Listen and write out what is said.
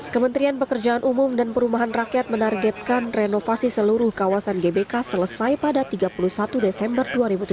kementerian pekerjaan umum dan perumahan rakyat menargetkan renovasi seluruh kawasan gbk selesai pada tiga puluh satu desember dua ribu tujuh belas